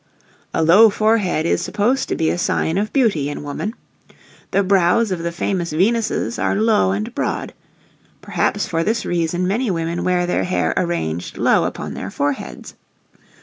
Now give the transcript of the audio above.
A low forehead is supposed to be a sign of beauty in woman. The brows of the famous Venuses are low and broad. Perhaps for this reason many women wear their hair arranged low upon their foreheads.